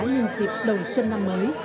nhìn dịp đầu xuân năm mới